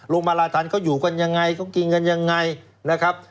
มาลาทันเขาอยู่กันยังไงเขากินกันยังไงนะครับ